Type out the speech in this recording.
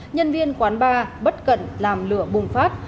nhân viên quán bar bất cận làm lửa bùng phát